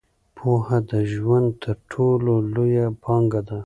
پوهه د ژوند تر ټولو لویه پانګه ده.